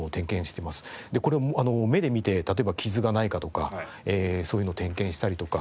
これ目で見て例えば傷がないかとかそういうのを点検したりとか。